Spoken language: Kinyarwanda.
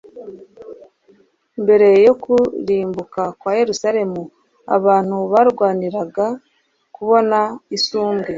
Mbere yo kurimbuka kwa Yerusalemu abantu barwaniraga kubona isumbwe.